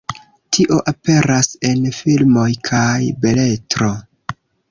Tio aperas en filmoj kaj beletro.